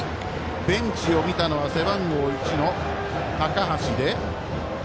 ベンチを見たのは背番号１の高橋。